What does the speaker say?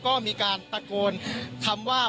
ก็มีการตะโกนคำว่า